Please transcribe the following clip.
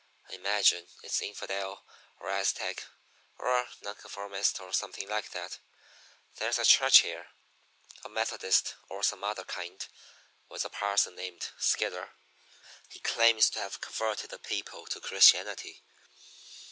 I imagine it's infidel or Aztec or Nonconformist or something like that. There's a church here a Methodist or some other kind with a parson named Skidder. He claims to have converted the people to Christianity.